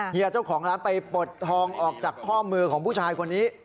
เฮียเจ้าของร้านไปปลดทองออกจากข้อมือของผู้ชายคนนี้